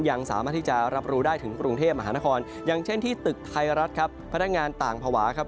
ยังสามารถที่จะรับรู้ได้ถึงกรุงเทพมหานคร